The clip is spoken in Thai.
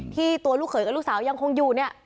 ตัวลูกเขยกับลูกสาวยังคงอยู่เนี่ย